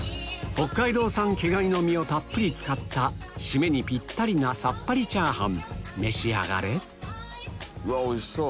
北海道産毛蟹の身をたっぷり使った締めにぴったりなさっぱりチャーハン召し上がれおいしそう！